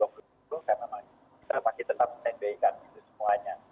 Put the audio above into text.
karena masih tetap menyebaikan itu semuanya